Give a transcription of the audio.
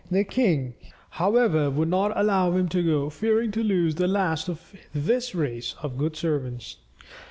The king, however, would not allow him to go, fearing to lose the last of this race of good servants.